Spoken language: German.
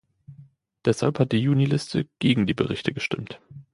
Deshalb hat die Juniliste gegen die Berichte gestimmt.